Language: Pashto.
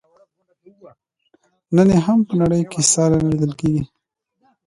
نن یې هم په نړۍ کې ساری نه لیدل کیږي.